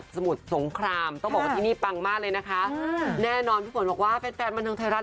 สมุทรสงครามต้องบอกว่าที่นี่ปังมากเลยนะคะแน่นอนพี่ฝนบอกว่าแฟนแฟนบันเทิงไทยรัฐ